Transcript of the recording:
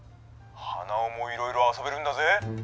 鼻緒もいろいろ遊べるんだぜ」。